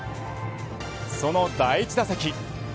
その第１打席。